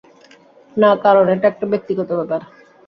না, কারণ এটা একটা ব্যক্তিগত ব্যাপার।